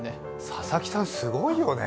佐々木さん、すごいよね。